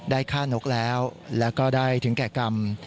ฆ่านกแล้วแล้วก็ได้ถึงแก่กรรม